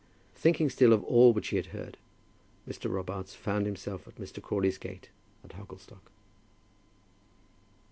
Thinking still of all which he had heard, Mr. Robarts found himself at Mr. Crawley's gate at Hogglestock.